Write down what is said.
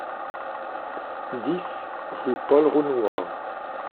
dix rue Paul Renouard